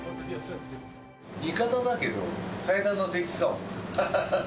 味方だけど、最大の敵かも。